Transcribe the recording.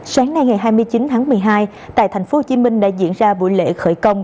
sáng nay ngày hai mươi chín tháng một mươi hai tại tp hcm đã diễn ra buổi lễ khởi công